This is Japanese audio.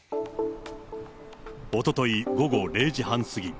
おととい午後０時半過ぎ。